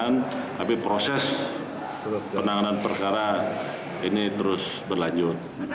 tapi proses penanganan perkara ini terus berlanjut